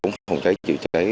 phòng cháy chữa cháy